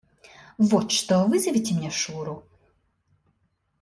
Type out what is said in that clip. Вот что, вызовите мне Шуру.